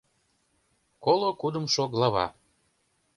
КОЛО КУДЫМШО ГЛАВА